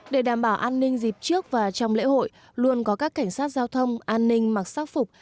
để đảm bảo an ninh dịp trước và trong lễ hội luôn có các cảnh sát giao thông an ninh mặc sắc phục